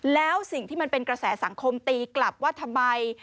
แล้วสิ่งที่มันเป็นกระแสสังคมตีกลับว่าทำไม